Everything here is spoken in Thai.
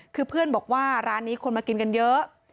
คือเพื่อนบอกว่าร้านนี้คนมากินกันเยอะ